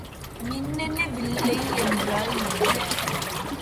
மின்னணு வில்லை என்றால் என்ன?